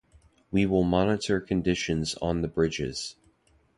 We will monitor conditions on the bridges.